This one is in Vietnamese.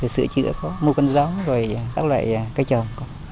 sửa chữa mua con giống rồi các loại cây trồng có